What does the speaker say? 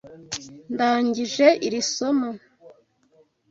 Ndangije iri somo.